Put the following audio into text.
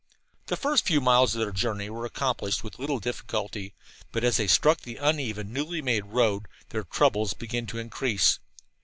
The first few miles of their journey were accomplished with little difficulty, but as they struck the uneven, newly made road, their troubles began to increase.